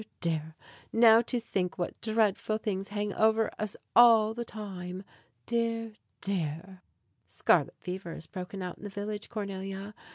dear! now to think what dreadful things hang over us all the time! Dear! dear! Scarlet fever has broken out in the village, Cornelia.